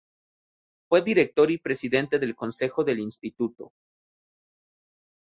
Fue director y presidente del consejo del Instituto.